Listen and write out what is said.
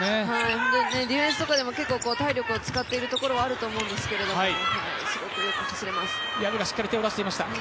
ディフェンスとかでも結構体力を使っているところはあると思うんですけどすごくよく走れます。